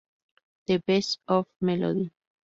The Best of Melody.